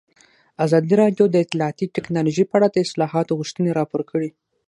ازادي راډیو د اطلاعاتی تکنالوژي په اړه د اصلاحاتو غوښتنې راپور کړې.